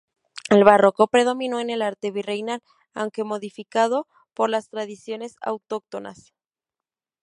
El barroco predominó en el arte virreinal, aunque modificado por las tradiciones autóctonas.